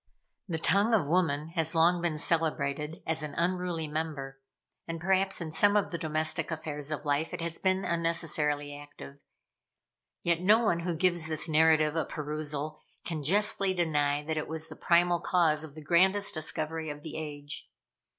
The tongue of woman has long been celebrated as an unruly member, and perhaps, in some of the domestic affairs of life, it has been unnecessarily active; yet no one who gives this narrative a perusal, can justly deny that it was the primal cause of the grandest discovery of the age.